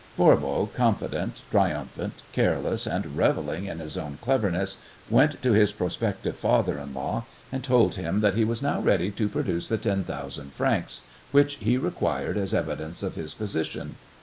Voirbo, confident, triumphant, careless, and revelling in his own cleverness, went to his prospective father in law and told him that he was now ready to produce the ten thousand francs which he required as evidence of his position.